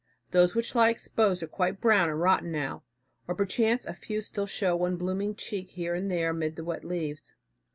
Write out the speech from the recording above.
Those which lie exposed are quite brown and rotten now, or perchance a few still show one blooming cheek here and there amid the wet leaves.